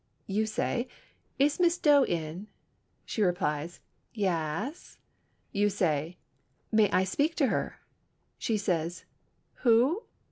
You say, "Is Miss Doe in?" She replies, "Yass." You say, "May I speak to her?" She says, "Who?"